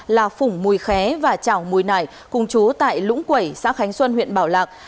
là phủng mùi khé và trảo mùi nải cùng chú tại lũng quẩy xã khánh xuân huyện bảo lạc